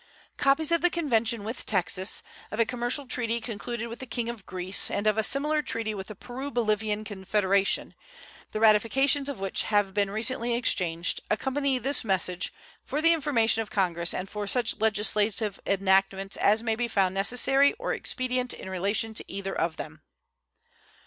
Copies of the convention with Texas, of a commercial treaty concluded with the King of Greece, and of a similar treaty with the Peru Bolivian Confederation, the ratifications of which have been recently exchanged, accompany this message, for the information of Congress and for such legislative enactments as may be found necessary or expedient in relation to either of them.